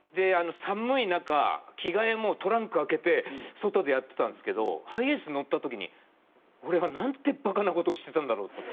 寒い中着替えもうトランク開けて外でやってたんですけどハイエース乗った時に俺はなんてバカな事をしてたんだろうって思って。